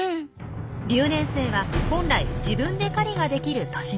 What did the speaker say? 留年生は本来自分で狩りができる年頃。